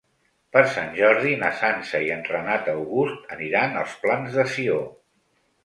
Per Sant Jordi na Sança i en Renat August aniran als Plans de Sió.